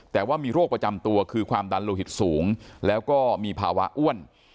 แต่ว่ามีโรคประจำตัวคือความดันโลหิตสูงแล้วก็มีภาวะอ้วน